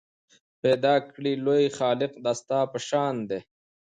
پیدا کړی لوی خالق دا ستا په شان دی